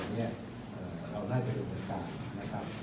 สมการที่ผมเล่าไปที่เหมือนที่ใครเป็นเช่นนี้